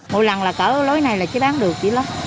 một lần là cỡ lối này là chỉ bán được vậy đó